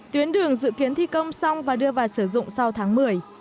tuyến đường dự kiến thi công xong và đưa vào sử dụng sau tháng một mươi